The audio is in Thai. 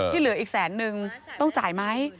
เหลืออีกแสนนึงต้องจ่ายไหม